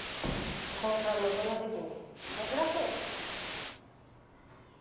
高３のこの時期に珍しいね。